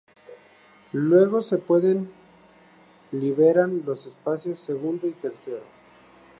Luego se pueden liberan los espacios segundo y tercero.